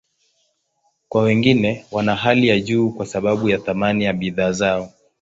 Kwa wengine, wana hali ya juu kwa sababu ya thamani ya bidhaa zao.